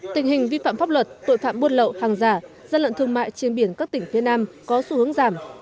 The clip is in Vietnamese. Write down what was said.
tình hình vi phạm pháp luật tội phạm buôn lậu hàng giả dân lận thương mại trên biển các tỉnh phía nam có xu hướng giảm